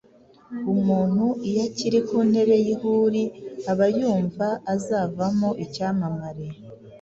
Umuntu iyo akiri kuntebe yihuri abayumva azavamo icyamamare